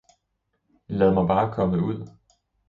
Lad mig bare komme ud!